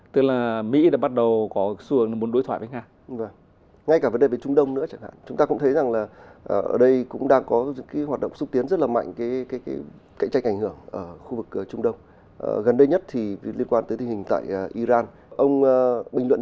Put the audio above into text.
tức là mỹ đã bắt đầu có xu hướng để đối thoại với nga